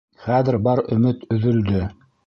Хәҙер бар өмөт өҙөлдө!